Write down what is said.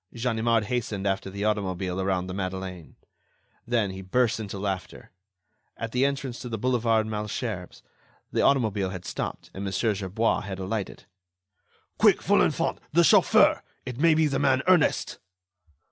Ganimard hastened after the automobile around the Madeleine. Then, he burst into laughter. At the entrance to the Boulevard Malesherbes, the automobile had stopped and Mon. Gerbois had alighted. "Quick, Folenfant, the chauffeur! It may be the man Ernest."